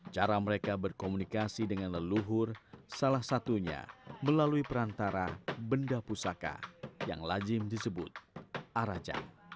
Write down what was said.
cara mereka berkomunikasi dengan leluhur salah satunya melalui perantara benda pusaka yang lazim disebut araja